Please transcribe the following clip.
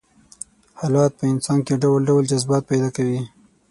حالات په انسان کې ډول ډول جذبات پيدا کوي.